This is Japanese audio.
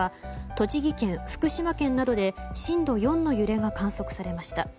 栃木県、福島県などで震度４の揺れが観測されました。